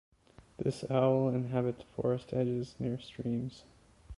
This owl inhabits forest edges near streams.